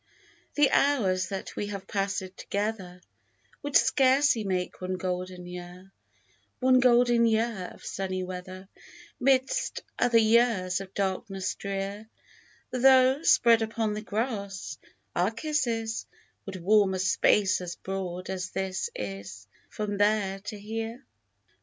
THE hours that we have passed together Would scarcely make one golden year, One golden year of sunny weather 'Midst other years of darkness drear, Though, spread upon the grass, our kisses, Would warm a space as broad as this is, From there to here